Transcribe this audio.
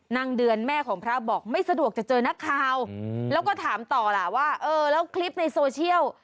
เดือนแม่ของพระบอกไม่สะดวกจะเจอนักข่าวแล้วก็ถามต่อล่ะว่าเออแล้วคลิปในโซเชียล